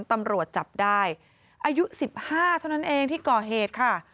ตำรวจจับได้อายุ๑๕เท่านั้นเองที่ก่อเหตุค่ะ